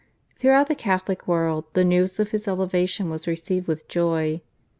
Throughout the Catholic world the news of his elevation was received with joy.